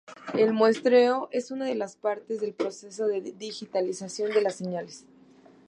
El muestreo es una de las partes del proceso de digitalización de las señales.